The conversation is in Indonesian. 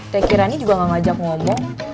teh kirani juga gak ngajak ngomong